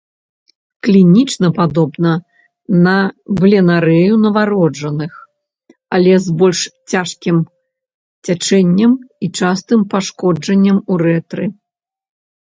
Клінічна падобная на бленарэю нованароджаных, але з больш цяжкім цячэннем і частым пашкоджаннем урэтры.